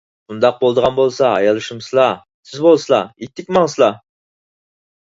بۇنداق بولىدىغان بولسا ھايالشىمىسىلا، تېز بولسىلا! ئىتتىك ماڭسىلا.